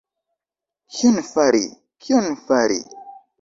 Kion fari, kion fari?